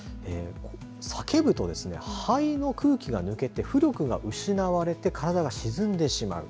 叫ぶと肺の空気が抜けて浮力が失われて体が沈んでしまう。